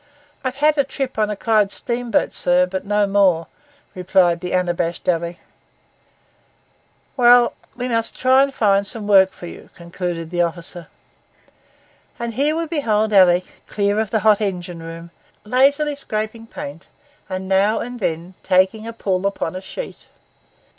'I've had a trip on a Clyde steamboat, sir, but no more,' replied the unabashed Alick. 'Well, we must try and find some work for you,' concluded the officer. And hence we behold Alick, clear of the hot engine room, lazily scraping paint and now and then taking a pull upon a sheet.